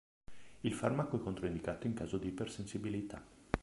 Il farmaco è controindicato in caso di ipersensibilità.